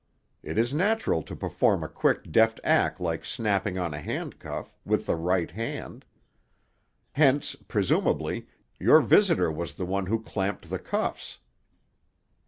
It is natural to perform a quick deft act like snapping on a handcuff, with the right hand. Hence, presumably, your visitor was the one who clamped the cuffs."